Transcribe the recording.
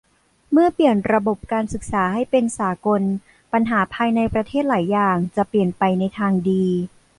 เมื่อเปลี่ยนระบบการศึกษาให้เป็นสากลปัญหาภายในประเทศหลายอย่างจะเปลี่ยนไปในทางดี